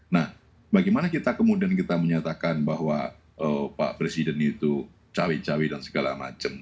nah bagaimana kita kemudian kita menyatakan bahwa pak presiden itu cawi cawi dan segala macam